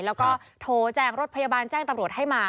แล้วก็โทรแจ้งรถพยาบาลแจ้งตำรวจให้มา